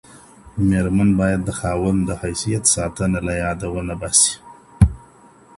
ميرمن بايد د خاوند د حيثيت ساتنه له ياده ونه باسي.